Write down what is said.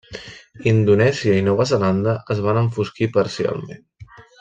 Indonèsia i Nova Zelanda es van enfosquir parcialment.